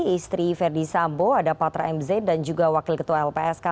istri verdi sambo ada patra mz dan juga wakil ketua lpsk